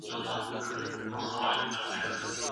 هر وګړی کولای سي د کتاب لوستلو له لاري خپل شعور لوړ کړي.